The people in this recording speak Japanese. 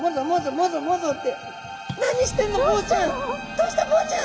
「どうした？ボウちゃん」。